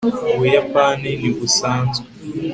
ubuyapani ntibusanzwe